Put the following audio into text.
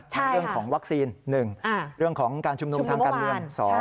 เรื่องของวัคซีน๑เรื่องของการชุมนุมทางการเมือง๒